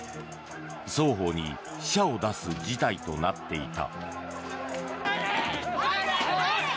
双方に死者を出す事態となっていた。